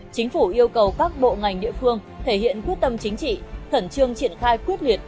chính phủ yêu cầu các bộ ngành địa phương thể hiện quyết tâm chính trị khẩn trương triển khai quyết liệt